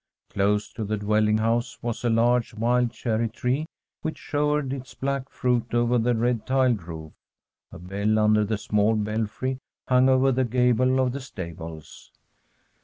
Close to the dwelling hoUse was a large wild cherry tree, which showered its black fruit over the red tiled roof. A bell under a small belfry hung over the gable of the stables.